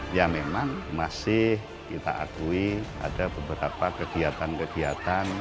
ya memang masih kita akui ada beberapa kegiatan kegiatan